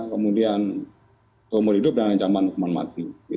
kemudian seumur hidup dan ancaman hukuman mati